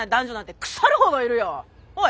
おい！